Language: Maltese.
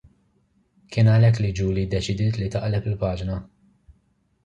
Kien għalhekk li Julie ddeċidiet li taqleb il-paġna.